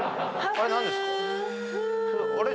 あれ何ですか？